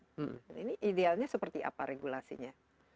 ini idealnya seperti apa regulasinya